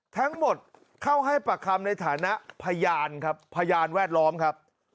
ทั้งหมดเข้าให้ปากคำในฐานะพยานครับพยานแวดล้อมครับ